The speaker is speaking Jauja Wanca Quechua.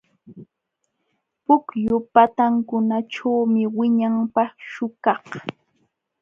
Pukyu patankunaćhuumi wiñan paśhukaq.